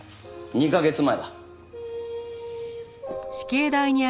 ２カ月前。